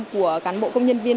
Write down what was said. của cán bộ công nhân viên